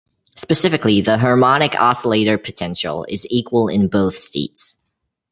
Specifically, the harmonic oscillator potential is equal in both states.